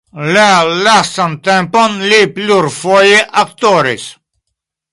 La lastan tempon li plurfoje aktoris.